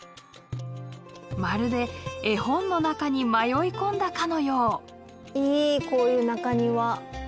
まるで絵本の中に迷い込んだかのよう。